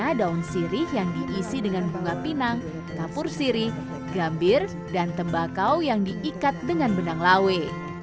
ada daun sirih yang diisi dengan bunga pinang kapur siri gambir dan tembakau yang diikat dengan benang lawe